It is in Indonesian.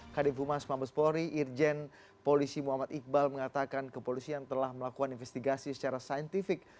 kadifumas mabespori irjen polisi muhammad iqbal mengatakan kepolisian telah melakukan investigasi secara saintifik